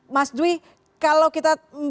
mas dwi kalau kita